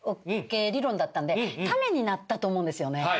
桶理論だったんでためになったと思うんですよね。